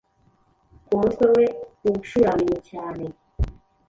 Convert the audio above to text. ku mutwe we ucuramye cyane,